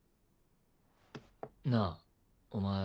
なぁお前